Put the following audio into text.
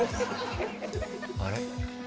あれ？